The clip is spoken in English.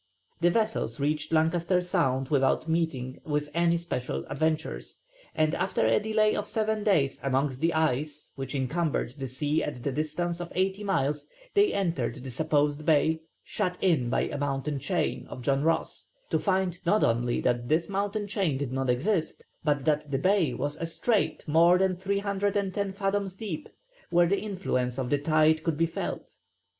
The vessels reached Lancaster Sound without meeting with any special adventures, and after a delay of seven days amongst the ice which encumbered the sea for a distance of eighty miles, they entered the supposed Bay "shut in by a mountain chain" of John Ross, to find not only that this mountain chain did not exist, but that the bay was a strait more than 310 fathoms deep, where the influence of the tide could be felt.